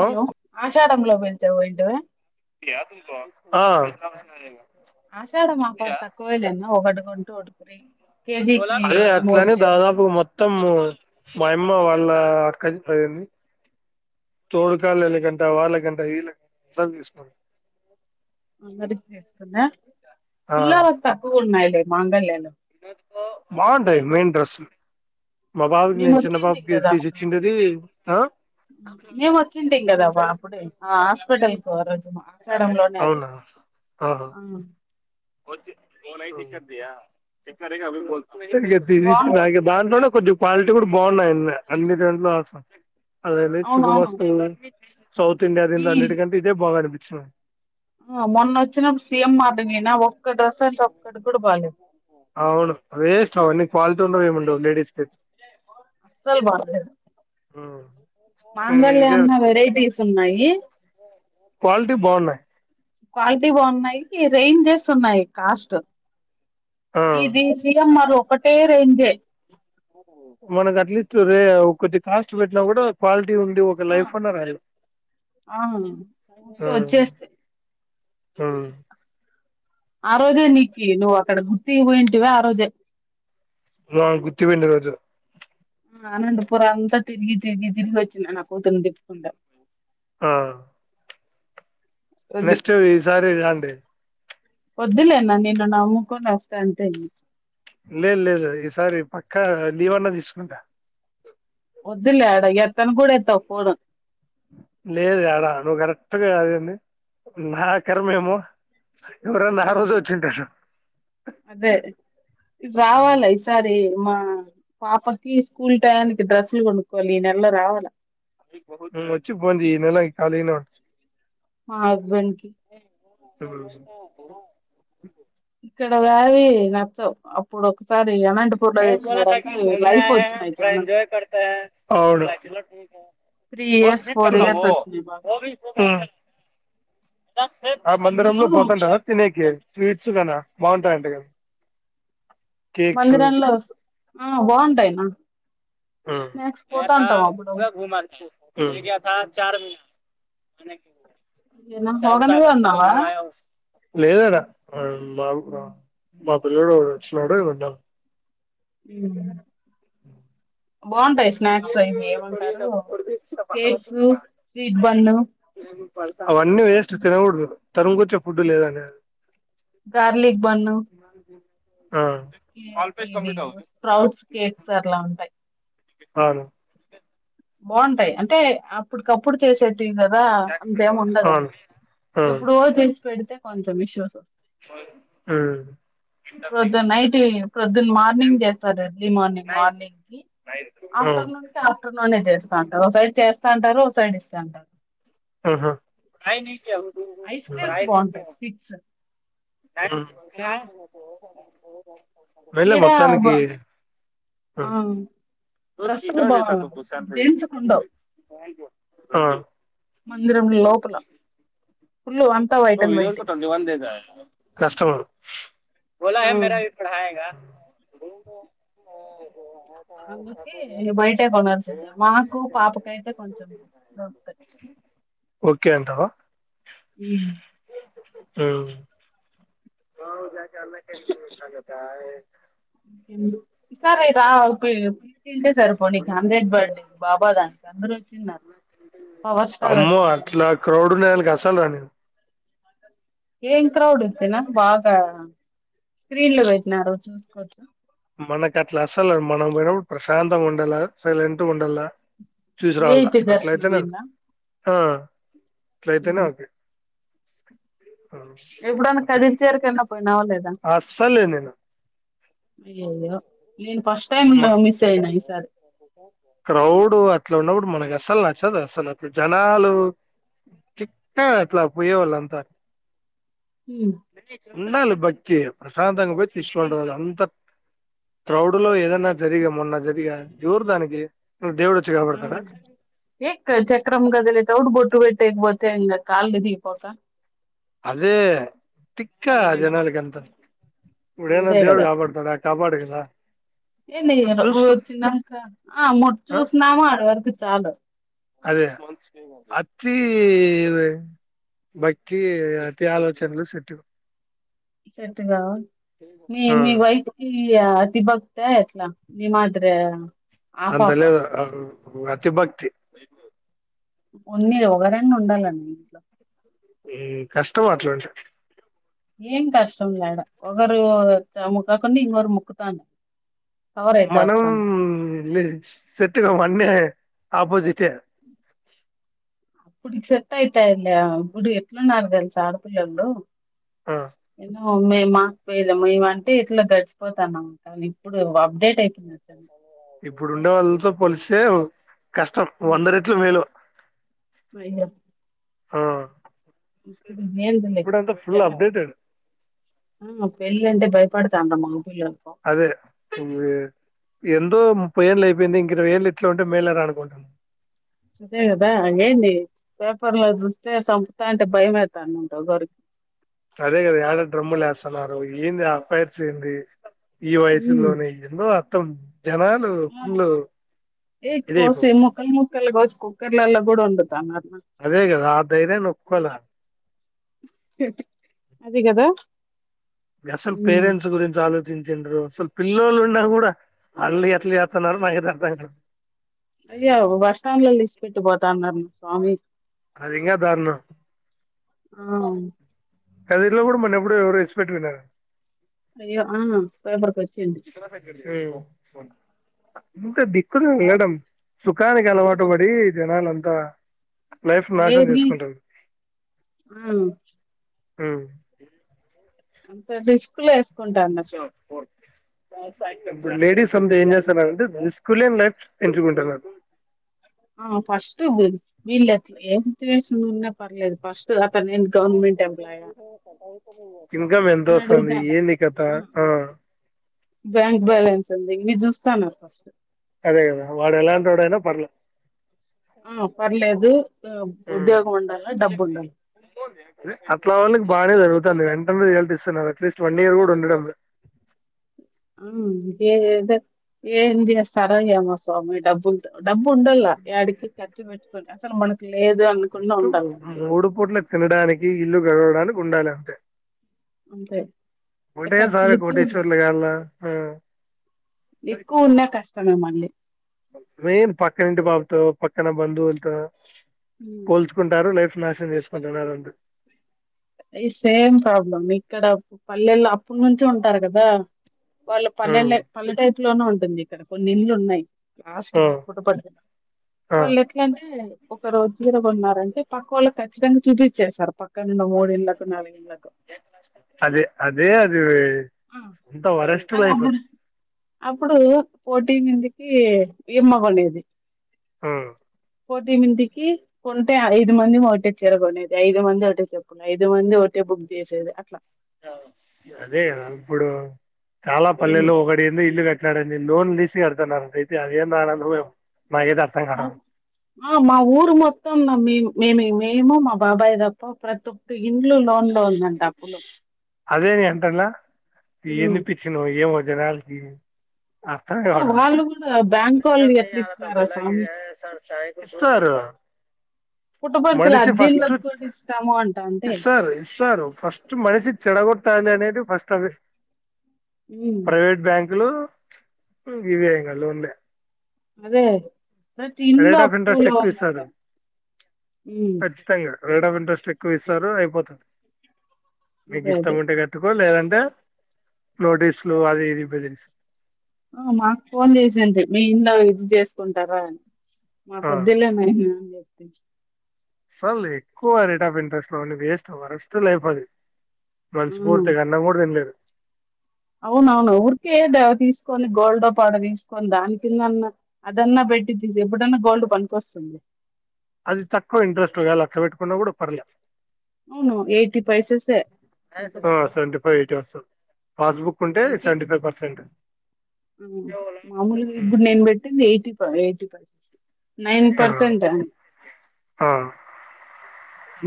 Hello ఆషాఢ లోబల్ చ పోయి ఎ [unintelligible] ఆ ఆషాఢ మాపడుత కోయలన్న ఒకడు. అదే మూడు అట్లానే చీరలు దాదాపు మొత్తం అమ్మ వాళ్ళ అక్కకి పోయింది. తోడుకాళీళకంట వాళ్ళకంట వీళ్ళ చసు అన్నరి చేసుకుంద పిల్లోలికి తక్కుగా ఉన్నాయిలే. మాంగ లేను బాగుంట మెయిన్ రడెస్ మా బాబుకి మేము నేను, చిన్న వచ్చింటిమి బాబుకి కదా అప్పుడు తీసిచ్చిండేది. మేము వచ్చింటిమి కదా బా హాస్పిటల్ కు రోజు క్షడంలోనే అది అవునా ఓ నై శార్దయా శనార అ బాగుంటాయి నాే బా [unintelligible] కొద్ది క్వాలిటీ కూడా బాగున్నాయి. అన్ని దంట్లోస అదేే అవునవును శుభమాసం సౌత్ ఇంయా ద ఈ అన్నిటికింత ఇద బా అపిది [unintelligible] ఆ మొన్న వచ్చినప్పుడు సీఎం మార్ట్ కి పొయ్నా ఒక్కడ్రెస్ అంటే ఒక్కటి కూడా బాలేదు అవును వేస్ట్ అవన్ని క్వాలిటీ ఉండవు ఏమండవు లేడీస్ కి అసలు బాలేదు ఉమ్ మేము మాంగళ్య ఇదే అన్నా వెరైటీస్ ఉన్నాయి క్వాలిటీ బాగున్నాయి క్వాలిటీ బాగున్నాయి రేంజెస్ ఉన్నాయి కాస్ట్ ఆ ఇది సి ఎం ఆరు ఒకటే రేంజే మనకు అట్లీస్ట్ రే ఒకటి కాస్ట్ పెట్టినా కూడా క్వాల్ టి ఉండి ఒక లైఫ్ ఉన్న రా ఆ ఊరికే [unintelligible] వచ్చేస్తాయి ఉం ఆ రోజే నీకి నువ్వు అక్కడ గుత్తికి పోయింటివ ఆ రోజే ఆ గుత్తి పోయిండే రోజు ఆ అనంతపురం అంతా తిరిగి తిరిగి తిరిగి వచ్చింది నా కూతుర్ని తిప్పుకుంటా ఆ నెక్స్ట్ ఈసారి రాండి వద్దులేనా నిన్ను నమ్ముకొని వస్తే అంతే [inaudible] లేదు లేదు ఈసారి పక్కా లీవన్నా తీసుకుంటా ద్దులే అడ ఎత్తను కూడా ఎత్తవు ఫోను లేదు యాడా నువ్ కరక్ అట్ట కాదండి నా కర్మేమో ఎవరైనా ఆ రోజే వచ్చింటారు అదే ఇది రావాల ఈసారి మా పాపకి స్కూల్ టయానికి డ్రస్సులు కొనుక్కోవాలి ఈ నెలలో రావాలా [inaudible] వచ్చి బోంది ఈ నెల ఖాళీ న ఆ మా హస్బెండ్ కి [unintelligible] ఇక్కడ వ్యావి నచ్చవ్ అప్పుడొకసారి వచ్చినాయి చానా అవును త్రీ ఇయర్స్ ఫోర్ ఇయర్స్ వచ్చినాయి బాగా ఉమ్ ఆ మందిరంలో అందుకు పోతాంటావా తినేకి స్వీట్స్ గక బావుంటాయంట గదా మందిరంలోస్ ఆ బావుంటాయ్ నా మ [inaudible] ఉూమా చ మ అనకి ఏనా శ [unintelligible] హోగనే సాగ ఉన్నావా పుమాయా లేదనా బబ రా బపర్ కూడా చిినడ ఉన్నా [unintelligible] ఉ ఇవి ఏమంటారు కేక్స్ స్వీట్ బన్ను అవి అన్నీ వేస్ట్ తినకూడదు [unintelligible] తరుకోచ్ఛె ఫూఢ్ లేదాండి గార్లిక్ బన్ను ఆ, ఇవి స్ప్రౌట్స్ కేక్స్ అట్లా ఉంటాయి అవును బాగుంటాయి అంటే అప్పుడుకప్పుడు చేసే కదా అంతేం ఉండదండి అవును ఆ, ఎప్పుడో చేసి పెడితే కొంచెం విశ్వాసమ్ వస్స్తు ఉమ్, ొద్దు నైట్ ప్రొద్దున్న మార్నింగ్ చేస్తారు ఎర్లీ మార్నింగ్ మార్నింగ్ కి ఉమ్, ఆఫ్టర్నూన్ కి ఆఫ్టర్నూ ఇంట్లోనే చేస్తాంటారు ఒక సైడ్ చేస్తాంటారు ఓ సైడ్ ఇస్తాంటారు హా [unintelligible] పయి న క ఐస్ క్రీమ్స్ బాగుంటాయి స్టిక్స్ ఓఓగా [unintelligible] ఈడ బ ఆ ఇ [unintelligible] డ్రస్సులు బా దత త పషంత జెంట్స్ కు ఉండవు మందిరం లోపల ఫుల్ అంతా వైట్ [unintelligible] అండ్ విో వైటే తద కస్టమ బలా ఆ మ పడాయ దేవుడ అందుకే ఆ బయటే కొనాల్సిందే మాకు పాపకైతే కొంచెం దొరుకుతాయి [inaudible] ఓకే [unintelligible] వా ఇ అ ఇసార రా ప్పు ంటే సర్పోనీ క హండ్రెడ్ బర్తడే బాబా దానికి అందరు వచ్చిన్నారు పవర్ స్టార్ అమ్మో వచ్చిన్నారు అట్లా క్రౌడ్ ఉన్న దానికి అసలు రాని ఏం క్రౌడ్ ఇస్తేనా బాగా స్క్రీన్ లో వేసినారు మనకు అట్లా అసలు మనం పోయినప్పుడు ప్రశాంతంగా ఉండాల సైలెంట్గ ఉండాల చూసి రావాల విఐపి దర్శనం అట్లయితేనే ఇలా ఆ అట్లయితేనే ఓకే ఆ, ఎప్పుడన్నా అట్లా కదిరి తేరుకున్న పోయినావా లేదా అస్సలు లేదు నేను అయ్యయ్యో నేను ఫస్ట్ టైమ్ లో మ మిస్ అయినా ఈసారి క్రౌడ్ అట్లా ఉన్నప్పుడు మనం అసలు నచ్చదు అసలుట్లు జనాలు తిక్క అట్లా పోయే వాళ్ళు అంతా ఉమ్. ఉండాలి భక్తి ప్రశాంతంగా పోయి తీస్కొని రావల అంత క్రౌడ్ ఊడులో ఏదన్నా జరిగా మొన్న జరిగా యోరు దానికి దేవుడు వచ్చి ఆ కాపాడతాడా ఏక చక్రము కదిలి తౌడుబోట్టు పెట్టి క్పోతే ఇంగ కాళ్లు ఇరిగిపోక అదే తిక్క ఉమ్. జనాలకి అంత ఇపుడేమన దేవుడు కాపాడతాడా ఆ కాపాడు ద ఏన్నిరుఊ వచ్చిన్నంక ఆ ముట్ ఆ? చూసినాము ఆటి వరకు చాలు అదే అతి భక్తి అతి ఆలోచనలు సెట్టు సెట్గావ్ మీ మీ వైఫ్‌కి ఈ అతి భక్తి ఆ ఎట్లా నీమాద్రి అంతలేదు అతి భక్తి ఉన్ని ఒకరన్న ఉండాలండి ఇంట్లో ఏ కష్టం అట్లుంటే ఏం కష్టం లేడా ఒకరు చ ముక్కకున్న ఇంకొరు ముక్కుతారు మనం లే సెట్గావ్ అన్ని ఆబోజిటే అప్పుడికి సెట్ అయితాయండె ఇప్పుడు ఎట్లున్నారు తెలుస ఆడపిల్లొల్లు ఆ మేము మాకుపోయలే మేముమంటే ఇట్లా గడిచిపోతాన్నామ కానీ ఇప్పుడు అప్డేట్ అయిపోందిచ్చన్న ఇప్పుడుండే వాళ్ళతో పోలిస్తే ఒక్ కష్టం వంద రెట్లు మేలు మైంద ఆ ఏందిలే ఇప్పుడంతా ఫుల్ జనం అప్డేటెడ్ ఆ పెళ్ళి అంటే భయపడతాండమ అదే ఇపుడే ఎందో ముప్పై ఏళ్ళు అయిపోయింది ఇంక ఇరవై ఏళ్ళు ఇట్లా ఉంటే మేలరా అనుకుంటాన్న అదే కదా ఏంది పేపర్ లో చూస్తే చంపుతాంటే భయం అయితాంది ఒకరికి అదే కదా యాడ డ్రమ్ములు వేస్తున్నారు ఏంది ఆఫైర్ ఏంది ఈ వయసు లోనే ఎన్నో తమ్ జనాలు ఆ ఫుల్లు ఏ ఇదే పో కోసి ముక్కలు ముక్కలు కోసి కుక్కర్ లల్ల కూడా వండు అదే కదా ఆ ధైర్యం నొక్కవాల అది గదా అసలు పేరెంట్స్ గురించి ఆలో చించరు అసలు పిల్లలు ఉన్న కూడా వాళ్ళు ఎట్లా చేస్తున్నారో మకైతే అర్ధం కావట్లేదు అయ్య బస్ స్టాండ్ లో లిస్ పెట్టు పోతా అన్నారు స్వామిజి అది ఇంకా దారుణం మ్మ్ కది ఇలో కూడా మన ఎప్పుడు ఎవరు ఇడిచి పెట్టరు అన్న అయ్యో ఆ పేపర్కి వచ్చింది ఇంత దిక్కుల ఆ, వేయడం సుఖానికి అలవాటు పడి జనాలు అంత ఏది ఆ మ్మ్ అంత రిస్క్ లెస్ కుంట అన్నార్ ఇప్పుడు లేడీస్ అ ఏం చేస్తాన్నారుంటే రిస్క్ లేని లైఫ్ ఎంచూకుంటున్నారు ఆ ఫస్ట్ వీళ్ళు ఎ ఏ సిట్యుయేషన్లో ఉన్నా పర్లేదు ఫస్ట్ ఇప్పుడు దాకానేను గౌర్ర్మెంట్ ఎంప్లాయ్ [inaudible] ఇన్కమ్ ఎంతస్తంది ఏంది కథ ఆ! బ్యాంక్ బ్యాలెన్స్ ఉంది ఇవి చూస్తార ఫస్ట్ అదే కదా వాడు ఎలాంటోడైనా పార్ల ఆ! పర్లేదు ఆ హ్మ ఉద్యోగం ఉండాల, డబ్బుండాలి. అట్లా వాళ్ళకి బానే జరుగుతు ఉంటుంది వెంటనే వెళ్తుస్తున్నారు అట్లీస్ట్ వన్ ఇయర్ కూడా ఉండడంలే ఎం లేదు ఏం చేస్తారో ఏమో స్వామి డబ్బులు డబ్బు ఉండలా ఏడికి ఖర్చు పెట్టుకొని అసలు మనకు లేదు అనుకున్నా జస్ట్ ఉండాల మూడు ఉండాలంతే అంతే ఒకటే సారి ఖర్చులకి ఉండాల కోటేశ్వరలు కాల్ల ఆ ఎక్కువ ఉన్నా కష్టమే మళ్ళీ మెయిన్ పక్కన ఇంటి బాబుతో పక్కన బంధువుల్తో హ్మ్. పోల్చుకుంటారు లైఫ్ నాశనం చేసుకుంటున్నారు అంతే ఇ సేమ్ ప్రాబ్లం పల్లెల్లో అప్పుడినుంచి ఉంటారు కదా వాళ్ళు ఆ పల్లెలే పల్లెటైప్ ఇంట్లో నే ఉంటుంది ఇక్కడ కొన్ని ఇల్లు ఉన్నాయి ఆ ఆ వాళ్ళు ఎట్లాంటే ఒక రోజు చీర కోన్నరంటే పక్కోల్లకు ఖచ్చితంగా చూపిచ్చేస్తారు పక్కనే అదే అదే అ దివే అంతా వరస్ట్ అది లైఫ్ అప్పుడు అప్పుడు పోటీ మీదికి ఇమ్మ కొనేది ఆ పోటీ మిందికి కొంటే ఐదు మందిమి ఒకటే చిరగొనేది ఐదు మంది ఒకటే చెప్పులు ఐదు మంది ఒకటే బుక్ చేసేది అట్లా అదే కదా అప్పుడు చాలా పల్లెలో ఒకడి ఏంది ఇల్లు కట్ దండి లోన్ తీసి ఆడతాన్నారు అయితే అదేంది ఆడతన్నారో ఏమో నాకైతే అర్థం కావడం మా ఊరు మొత్తం మేము మేమే ఇ మేము మా బాబాయ్ తప్ప ప్రతి ఒక్క ఇ అదే నే అంటడ్లా ఉమ్ ఏంది పిచ్చినో ఏమో జనాలకి అర్ధం కావడంలా బ్యాంకొల్లు ఎట్ల ఇచ్చినారో స్వామి ఇస్తారు పుట్టపర్తి లో అద్దీలు కట్టుకొని ఇస్తాము అ ఇస్సరు ఇస్సరు ఫస్ట్ మనిషి చెడగొట్ ఉంటాది లే అనేది ఫస్ట్ ఆఫీస్ ఉమ్ ప్రవేట్ బ్యాంకులు మ్మ్ ఇవే ఇంగ లోన్లే అదే రేట్ ఆఫ్ చిన్నపుర్ ఇంట్రెస్ట్ లో ఎక్కువ వుంది అంట ఇస్తారు మ్మ్ ఉ ఇస్తారు అయిపోతుంది నీకు అదే ఇష్టం అదే ఉంటే కట్టుకో లేదంటే అ నోటీస్లు అది ఇది బెదిరిస్ ఆ మాకు ఫోన్ చేసేంత మీ ఇంట్లో ఇది చేసుకుంటారా అని మాకొద్దులే నహి అని చెప్ అ అసార్ ఎక్కువ రేట్ ఆఫ్ ఇంట్రెస్ట్ లోని వేస్ట్ వరస్ట్ లే అయిపోది ఉమ్ మనస్ఫూర్తిగా అన్నం కూడా తినలేదు అవునవును ఊరికేద తీసుకొని గోల్డో పాడ తీసుకొని దాని కిందన్నా అదన్నా పెట్టి తీసి ఎప్పుడన్నా గోల్డ్ పనికొస్తుంది చ బెట్టు కున్న కూడా పర్లేదు అవును ఎయిటీ పైసెసే ఆ ఇంట్రెస్ట్ సెవెంటీ ఫైవ్ ఎయిట్ వస్తాయి ఫస్బుక్ ఎయిటీ ఆ మాములుగా ఇప్పుడు నేను పెట్టింది ఎయిటీ ఎయిటి పై నైన్ పర్సెంట్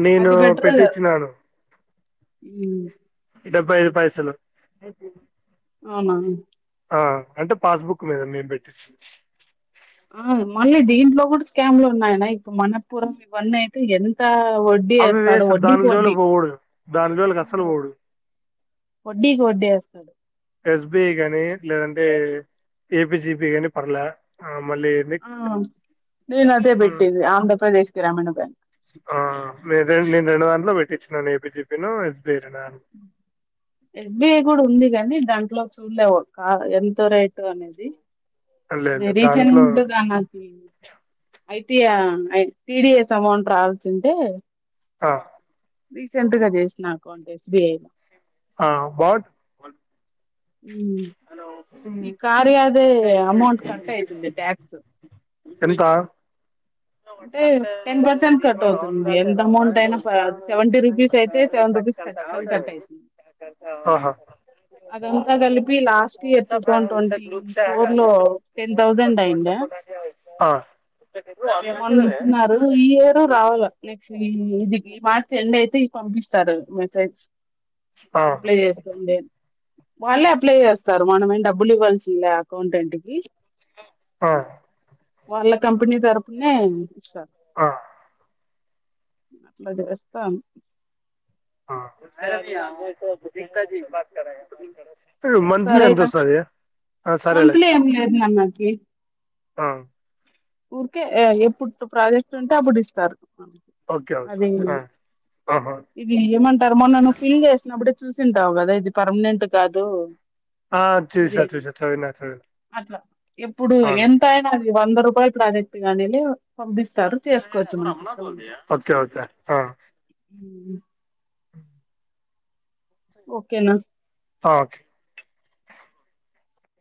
నేను పెట్టిచ్చినాను ఉహ్ డెబ్బై ఐదు పైసలు అవునా ఆ అంటే పాస్బుక్ మీద మేము పెట్టిస్తుంది ఆ మళ్ళీ దీంట్లో కూడా స్కామ్లు ఉన్నాయనా ఇప్పుడు మనపురం ఇవన్నీ అయితే ఎంత వడ్డీ అవి వేస్తాడు వేస్ట్ వడ్డీకి దాని జోలు వడ్డీ పోకూడదు దాని జోలికి అసలు పోడు వడ్డీకి వడ్డీ వేస్తాడు ఎస్ బి ఐ గాని లేదంటే ఏపిజిపి గాని పర్లే మళ్ళీ ఏంది ఆ నేను అదే బెట్టేది ఆంధ్రప్రదేశ్ గ్రామీణ బ్యాంక్ ఆ నేను రెండు దాంట్లో పెట్టించినను ఏ పీ జి పి ను ఎస్బిఐ కూడా ఉంది గానీ దాన్ లో చూడలేవు ఆ ఎంత రేట్ అనేది లేదు అది లేదు దాంట్లో రీసెంట్గా నాకుంది ఐటిఐ ఐ టిడిఎస్ అమౌంట్ రావాల్సి ఉంటే ఆ రీసెంట్ గా చేసిన అకౌంట్ ఎస్ బి ఐ ఆ వాట్ మ్మ్ ఈ [unintelligible] దే అమౌంట్ కట్టయితుంది ట్యాక్స్ ఎంత అంటే టెన్ పర్సెంట్ కట్ అవుతుంది ఎంత అమౌంట్ అయినా సెవెంటీ రూపీస్ అయితే సెవెన్ రూపీస్ ఖచ్చితంగా కట్ అవుతుంది ఆహా అదంతా కలిపి last year two thousand twenty four లో టెన్ థౌసండ్ అయిందా ఆ మొన్న ఇచ్చినారు ఈయరు రావాలి నెక్స్ట్ ఈ ఇది ఈ మార్చ్ ఎండ్ అయితే పంపిస్తారు మెసేజ్ ఆ అప్లై చేసుకోండి వాళ్ళే అప్లై చేస్తారు మనం ఏం డబ్బులు ఇవ్వాల్సింది లే అకౌంటెంట్ కి ఆ వాళ్ళ కంపనీ తర్ఫ నే ఇస్తారు ఆ అట్లా చేస్తాం ఆ మంత్లీ ఎంత సరేనా వస్తది సరేలే మంత్లీ ఏమి లేదు న నాకి ఆ ఊరికే ఎప్పుడు ప్రాజెక్ట్స్ అంటే అప్పుడిస్తారు ఓకే అది ఓకే ఆ ఆహా ఇది ఏమంటారు మొన్న నువ్వు ఫిల్ చేసినప్పుడు చూసింటావు కదా ఇది పర్మనెంట్ కాదు ఆ ఇదే చూసా చూసా చదివినా చదివినా అట్లా ఎప్పుడు అవును ఎంత అయినా వంద రూపాయి ప్రాజెక్ట్ కానియండి పంపిస్త ఓకే ఓకే ఆ ఉ ఓకేనా ఓకే